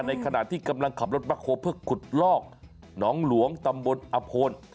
ในขณะที่กำลังขับรถแบ็คโฮเพื่อขุดลอกหนองหลวงตำบลอโพล